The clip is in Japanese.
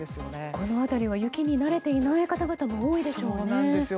この辺りは雪に慣れていない方々も多いですよね。